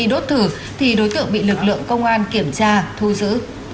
khi đốt thử thì đối tượng bị lực lượng công an kiểm tra thu giữ